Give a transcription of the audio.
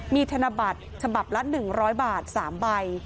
มีธนบัตรฉบับละ๑๐๐บาท๓ใบ